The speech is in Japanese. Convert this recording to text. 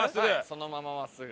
そのまま真っすぐ。